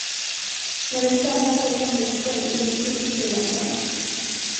När du trampar på din cykel lyser cykellampan.